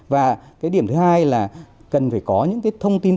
và cái điểm thứ hai là cần phải có những cái thông tin